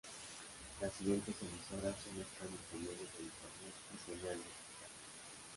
Las siguientes emisoras solo están disponibles en internet y señal digital.